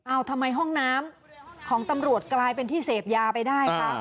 เอาทำไมห้องน้ำของตำรวจกลายเป็นที่เสพยาไปได้คะ